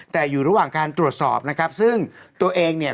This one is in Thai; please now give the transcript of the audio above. แต่อยู่ระหว่างการตรวจสอบนะครับซึ่งตัวเองเนี่ย